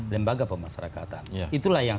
lembaga pemasarakatan itulah yang